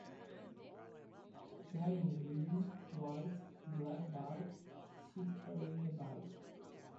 Guy in green, white, and black bike suit carrying a bike.